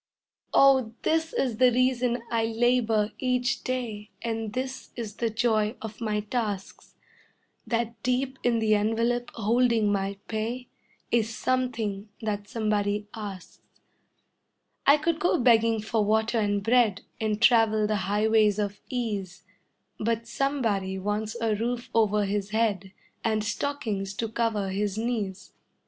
Oh, this is the reason I labor each day And this is the joy of my tasks: That deep in the envelope holding my pay Is something that somebody asks. I could go begging for water and bread And travel the highways of ease, But somebody wants a roof over his head And stockings to cover his knees.